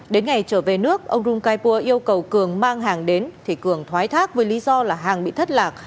đến ngày trở về nước ông rung kaipua yêu cầu cường mang hàng đến thì cường thoái thác với lý do là hàng bị thất lạc